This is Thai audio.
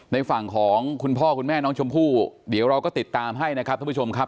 ในฝั่งของคุณพ่อคุณแม่น้องชมพู่เดี๋ยวเราก็ติดตามให้นะครับท่านผู้ชมครับ